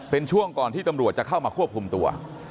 เป็นช่วงก่อนที่ตำรวจจะเข้ามาควบคุมตัว